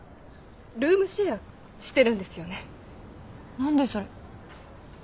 何でそれ。